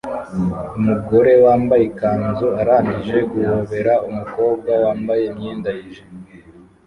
Umugore wambaye ikanzu arangije guhobera umukobwa wambaye imyenda yijimye